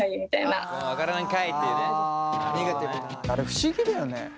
あれ不思議だよね。